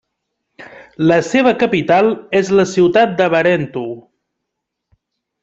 La seva capital és la ciutat de Barentu.